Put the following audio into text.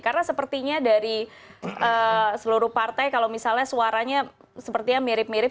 karena sepertinya dari seluruh partai kalau misalnya suaranya sebagian besar mirip mirip